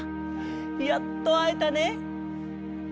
やっとあえたね！